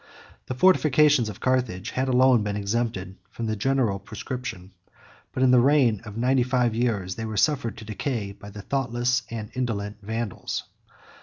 The fortifications of Carthage 2011 had alone been exempted from the general proscription; but in the reign of ninety five years they were suffered to decay by the thoughtless and indolent Vandals.